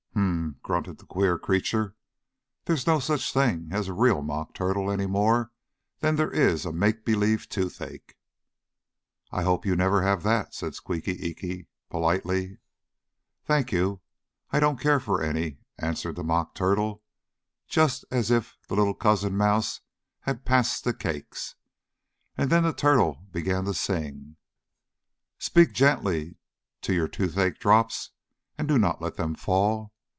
"Hum!" grunted the queer creature. "There's no such thing as a real mock turtle any more than there is a make believe toothache." "I hope you never have that," said Squeaky Eeky, politely. "Thank you, I don't care for any," answered the Mock Turtle, just as if the little cousin mouse had passed the cakes. And then the turtle began to sing: "Speak gently to your toothache drops, And do not let them fall.